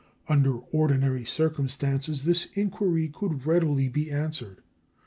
Under ordinary circumstances this inquiry could readily be answered.